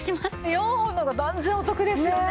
４本の方が断然お得ですよね。